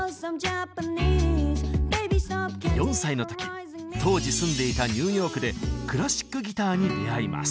４歳の時当時住んでいたニューヨークでクラシックギターに出会います。